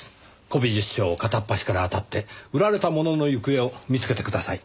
古美術商を片っ端からあたって売られたものの行方を見つけてください。